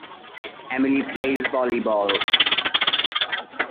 Emily plays volleyball.